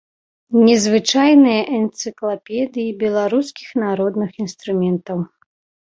Незвычайная энцыклапедыі беларускіх народных інструментаў.